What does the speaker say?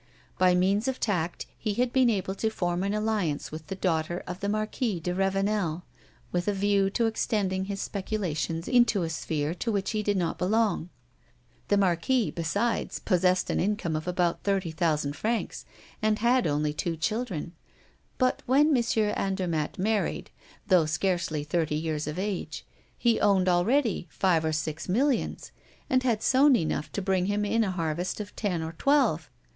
By means of tact he had been able to form an alliance with the daughter of the Marquis de Ravenel with a view to extending his speculations into a sphere to which he did not belong. The Marquis, besides, possessed an income of about thirty thousand francs, and had only two children; but, when M. Andermatt married, though scarcely thirty years of age, he owned already five or six millions, and had sown enough to bring him in a harvest of ten or twelve.